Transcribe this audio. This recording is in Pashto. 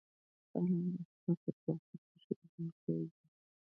علم د شفافیت بنسټ ایښودونکی د.